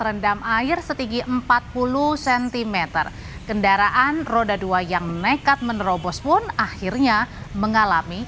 rendam air setinggi empat puluh cm kendaraan roda dua yang nekat menerobos pun akhirnya mengalami